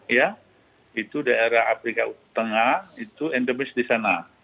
ya itu daerah afrika tengah itu endemis di sana